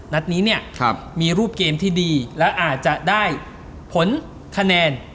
นัดนี้เนี่ยมีรูปเกมที่ดีและอาจจะได้ผลคะแนน